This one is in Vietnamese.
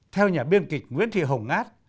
theo nhà biên kịch nguyễn thị hồng ngát